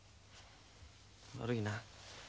悪いな。